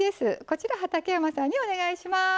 こちら畠山さんにお願いします。